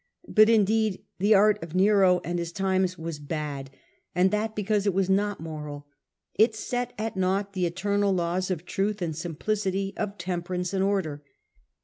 But indeed the art of Nero and his times was bad, and that because it was not moral. It set at naught the eternal laws of truth and simplicity, of temperance and order.